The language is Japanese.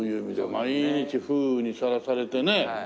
毎日風雨にさらされてね。